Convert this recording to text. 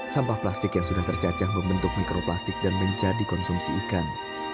sampah plastik yang sudah tercacah membentuk mikroplastik dan menjadi konsumsi ikan